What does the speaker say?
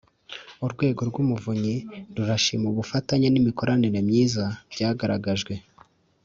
Urwego rw’Umuvunyi rurashima ubufatanye n’imikoranire myiza byagaragajwe